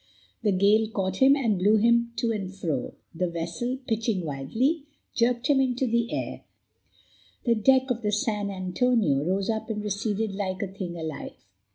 The gale caught him and blew him to and fro; the vessel, pitching wildly, jerked him into the air; the deck of the San Antonio rose up and receded like a thing alive.